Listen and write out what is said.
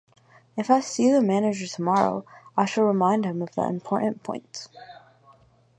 If I see the manager tomorrow, I shall remind him of that important point.